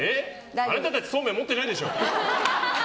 あなたたちそうめん持ってないでしょ。